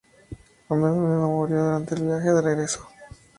Andrónico murió durante el viaje de regreso.